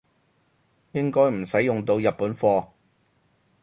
應該唔使用到日本貨